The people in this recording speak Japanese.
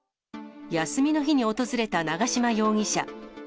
休みの日に訪れた永嶋容疑者。